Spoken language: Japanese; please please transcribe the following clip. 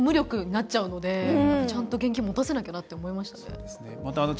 無力になっちゃうのでちゃんと現金もたせなきゃなって思いました。